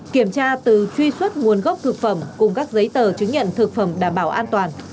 kiểm tra từ truy xuất nguồn gốc thực phẩm cùng các giấy tờ chứng nhận thực phẩm đảm bảo an toàn